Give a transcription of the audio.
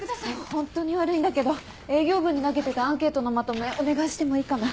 ホントに悪いんだけど営業部に投げてたアンケートのまとめお願いしてもいいかな？